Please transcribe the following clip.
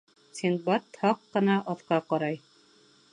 Синдбад һаҡ ҡына аҫҡа ҡарай.